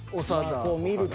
こう見ると。